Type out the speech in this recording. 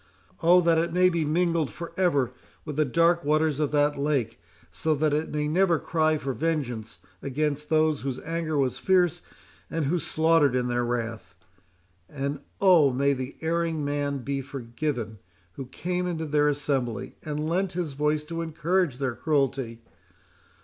—Oh! that it may be mingled for ever with the dark waters of that lake, so that it may never cry for vengeance against those whose anger was fierce, and who slaughtered in their wrath!—And, oh! may the erring man be forgiven who came into their assembly, and lent his voice to encourage their, cruelty!